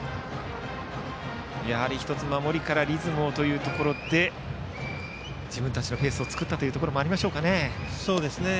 やはり１つ守りからリズムをというところで自分たちのペースを作ったところもありましたかね。